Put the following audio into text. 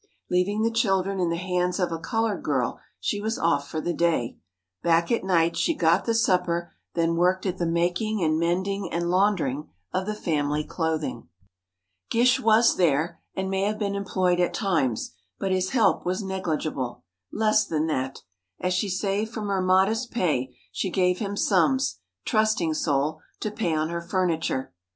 Leaving the children in the hands of a colored girl, she was off for the day. Back at night, she got the supper; then worked at the making and mending and laundering of the family clothing. Gish was there, and may have been employed at times, but his help was negligible. Less than that. As she saved from her modest pay, she gave him sums, trusting soul, to pay on her furniture.